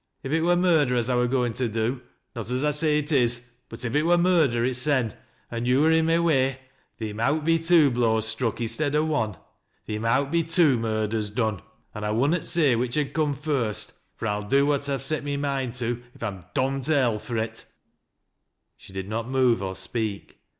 " If it wur murder, as I wur goin' to do — not as I say it is — but if it wur murder itsen an' yo' wur i' my way, theer mowt be two blows struck i'stead o' one — theer mowt be two murders done — an' I wunnot say which ud coom first — fur I'll do what I've set my moind to, if I'm dom'd to hell fur it !" She did not move nor speak.